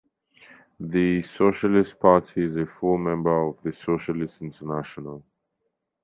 The Socialist Party is a full member of the Socialist International.